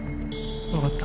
わかった。